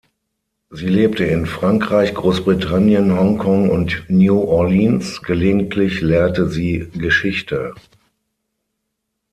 Sie lebte in Frankreich, Großbritannien, Hongkong und New Orleans, gelegentlich lehrte sie Geschichte.